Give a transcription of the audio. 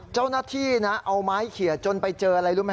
เจ้าหน้าที่นะเอาไม้เขียจนไปเจออะไรรู้ไหม